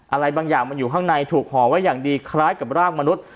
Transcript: อะไรบางอย่างมันอยู่ข้างในถูกห่อไว้อย่างดีคล้ายกับร่างมนุษย์